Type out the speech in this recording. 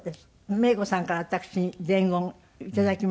メイコさんから私に伝言いただきました。